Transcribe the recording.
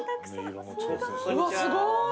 うわすごい！